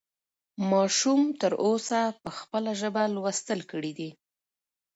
ماشوم تر اوسه په خپله ژبه لوستل کړي دي.